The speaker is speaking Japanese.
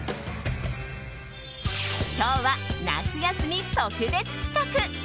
今日は、夏休み特別企画。